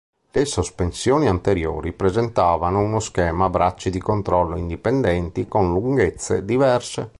Le sospensioni anteriori presentavano uno schema a bracci di controllo indipendenti con lunghezze diverse.